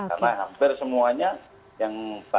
karena hampir semuanya yang batang yang lewat ke obat dan batang